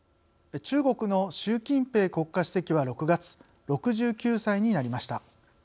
中国の習近平国家主席は６月６９歳になりました。